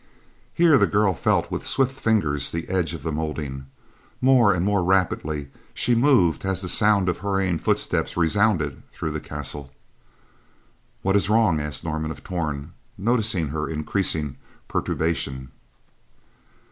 Here the girl felt with swift fingers the edge of the molding. More and more rapidly she moved as the sound of hurrying footsteps resounded through the castle. "What is wrong?" asked Norman of Torn, noticing her increasing perturbation.